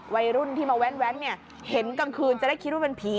วัยรุ่นที่มาแว้นเนี่ยเห็นกลางคืนจะได้คิดว่าเป็นผี